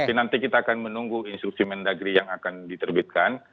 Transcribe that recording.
nanti kita akan menunggu instruksi mendagri yang akan diterbitkan